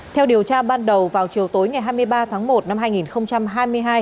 theo điều tra ban đầu vào chiều tối ngày hai mươi ba tháng một năm hai nghìn hai mươi hai